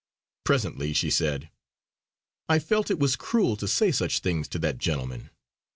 Presently she said: "I felt it was cruel to say such things to that gentleman.